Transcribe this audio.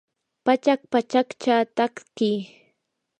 pachak pachakcha tatki